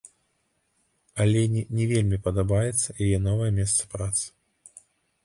Алене не вельмі падабаецца яе новае месца працы.